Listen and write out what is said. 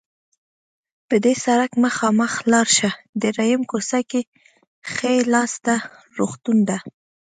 په دې سړک مخامخ لاړ شه، دریمه کوڅه کې ښي لاس ته روغتون ده.